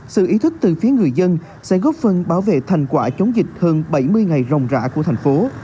sự ý thức từ phía người dân sẽ góp phần bảo vệ thành quả chống dịch hơn bảy mươi ngày rồng rã của thành phố